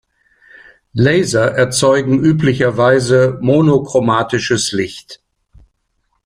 Laser erzeugen üblicherweise monochromatisches Licht.